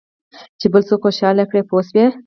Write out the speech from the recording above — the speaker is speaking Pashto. چې بل څوک خوشاله کړې پوه شوې!.